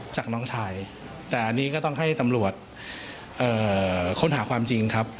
จากน้องชายแต่อันนี้ก็ต้องให้ตำรวจค้นหาความจริงครับ